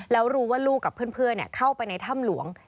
แล้วรู้ว่าลูกกับเพื่อนเข้าไปในถ้ำหลวง